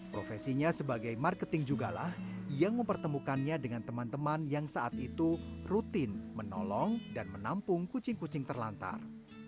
profesinya sebagai marketing jugalah yang mempertemukannya dengan teman teman yang saat itu rutin menolong dan menampung kucing kucing terlantar